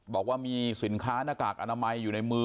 บอกว่ามีสินค้าหน้ากากอนามัยอยู่ในมือ